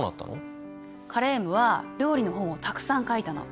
カレームは料理の本をたくさん書いたの。